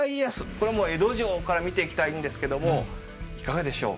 これはもう江戸城から見ていきたいんですけどもいかがでしょう？